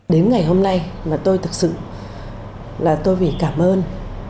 đến ngày hôm nay mà tôi thực sự là tôi phải cảm ơn